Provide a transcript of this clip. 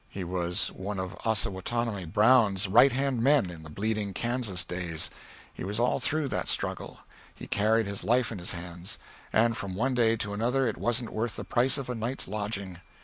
He was one of Ossawatomie Brown's right hand men in the bleeding Kansas days; he was all through that struggle. He carried his life in his hands, and from one day to another it wasn't worth the price of a night's lodging.